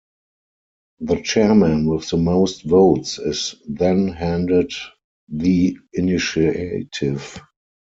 The chairman with the most votes is then handed the initiative.